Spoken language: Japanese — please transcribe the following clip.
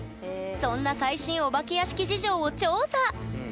そんな最新お化け屋敷事情を調査！